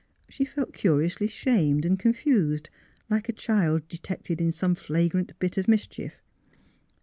She felt curiously shamed and confused, like a child de tected in some flagrant bit of mischief.